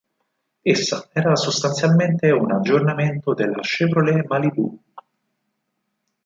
Essa era sostanzialmente un aggiornamento della Chevrolet Malibu.